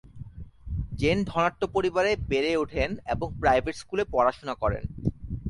Gen ধনাঢ্য পরিবারে বেড়ে ওঠেন এবং প্রাইভেট স্কুলে পড়াশোনা করেন।